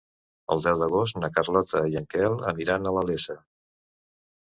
El deu d'agost na Carlota i en Quel aniran a la Iessa.